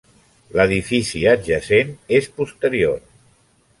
L'edifici adjacent és posterior.